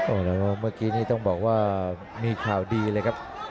แต่ว่าเมื่อกี้นี่ต้องบอกว่ามีข่าวดีเลยครับ